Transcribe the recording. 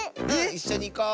⁉いっしょにいこう。